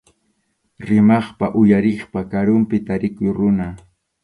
Rimaqpa uyariqpa karunpi tarikuq runa.